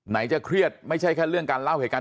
จะเครียดไม่ใช่แค่เรื่องการเล่าเหตุการณ์